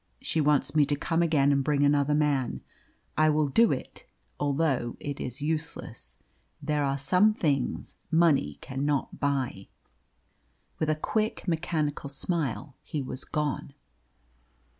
She wants me to come again and bring another man. I will do it, although it is useless. There are some things money cannot buy." With a quick mechanical smile he was gone.